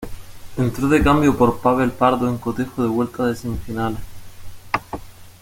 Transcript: Entró de cambio por Pável Pardo en cotejo de vuelta de semifinales.